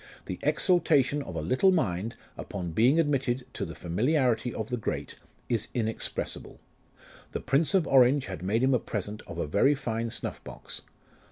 The exultation of a little mind, upon being admitted to the familiarity of the great, is inex pressible. The Prince of Orange had made him a present of a very fine snuff box.